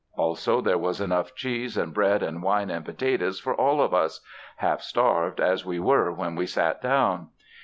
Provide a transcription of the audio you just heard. Also there was enough cheese and bread and wine and potatoes for all of us half starved as we were when we sat down.